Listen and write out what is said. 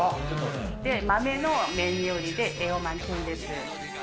豆の麺料理で栄養満点です。